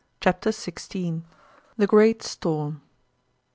CHAPTER XVI. THE GREAT STORM.